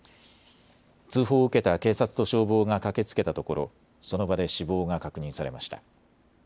通報を受けた警察と消防が駆けつけたところその場で死亡が確認されました。